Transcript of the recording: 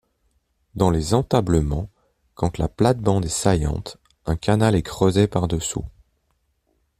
Dans les entablements, quand la plate-bande est saillante, un canal est creusé par-dessous.